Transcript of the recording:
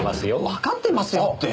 わかってますよって。